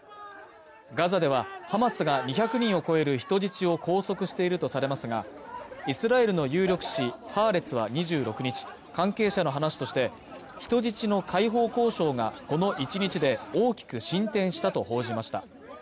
ガザではハマスが２００人を超える人質を拘束しているとされますがイスラエルの有力紙「ハーレツ」は２６日関係者の話として人質の解放交渉がこの一日で大きく進展したと報じました